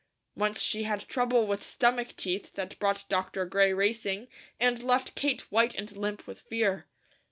Once she had trouble with stomach teeth that brought Dr. Gray racing, and left Kate white and limp with fear.